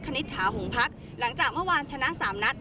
ณิตถาหงพักหลังจากเมื่อวานชนะ๓นัด